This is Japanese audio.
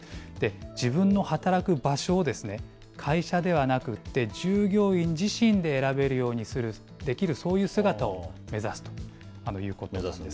自分の働く場所を会社ではなくって、従業員自身で選べるようにできる、そういう姿を目指すということなんです。